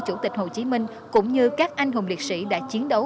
chủ tịch hồ chí minh cũng như các anh hùng liệt sĩ đã chiến đấu